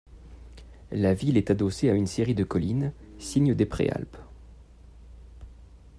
La ville est adossée à une série de collines, signes des préalpes.